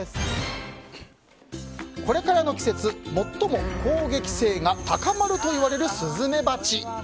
これからの季節最も攻撃性が高まるといわれているスズメバチ。